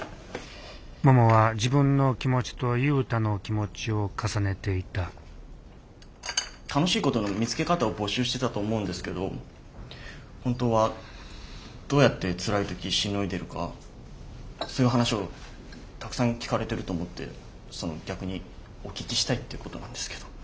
ももは自分の気持ちと雄太の気持ちを重ねていた楽しいことの見つけ方を募集してたと思うんですけど本当はどうやってつらい時しのいでるかそういう話をたくさん聞かれてると思ってその逆にお聞きしたいっていうことなんですけど。